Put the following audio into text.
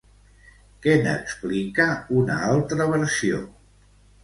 Què n'explica una altra versió?